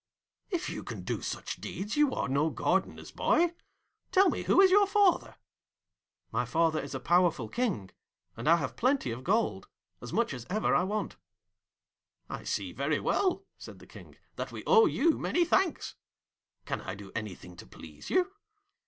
'If you can do such deeds you are no Gardener's boy. Tell me who is your father?' 'My father is a powerful King, and I have plenty of gold as much as ever I want.' 'I see very well,' said the King, 'that we owe you many thanks. Can I do anything to please you?'